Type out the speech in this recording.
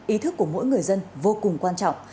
ý thức của mỗi người dân vô cùng quan trọng